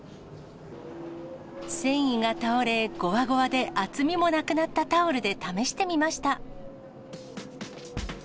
繊維が倒れ、ごわごわで厚みもなくなったタオルで試してみました。